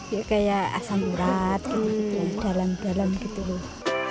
ya kayak asam murad gitu gitu dalam dalam gitu loh